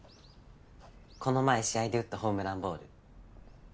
この前試合で打ったホームランボール。